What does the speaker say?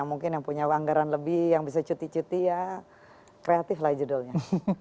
mungkin yang punya anggaran lebih yang bisa cuti cuti ya kreatif lah judulnya